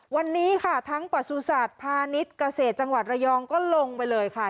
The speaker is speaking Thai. วันนี้ค่ะทั้งประสุทธิ์พาณิชย์เกษตรจังหวัดระยองก็ลงไปเลยค่ะ